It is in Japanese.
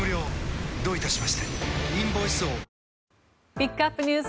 ピックアップＮＥＷＳ